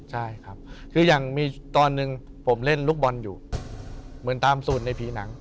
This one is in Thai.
ใช่ครับคืออย่างมีตอนหนึ่งผมเล่นลูกบอลอยู่เหมือนตามสูตรในผีหนัง